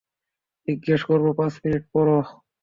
জিজ্ঞেস করবো পাঁচ মিনিট পর।